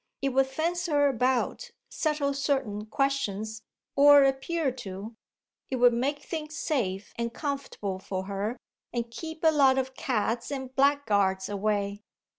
It would fence her about, settle certain questions, or appear to; it would make things safe and comfortable for her and keep a lot of cads and blackguards away."